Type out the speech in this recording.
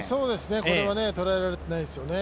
これは捉えられてないですよね。